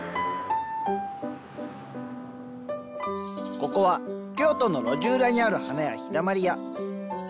ここは京都の路地裏にある花屋「陽だまり屋」。